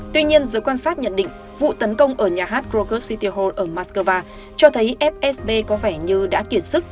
tuy nhiên dưới quan sát nhận định vụ tấn công ở nhà hát groker city hall ở moscow cho thấy fsb có vẻ như đã kiệt sức